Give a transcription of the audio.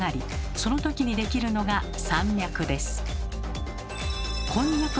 そのときにできるのが山脈です。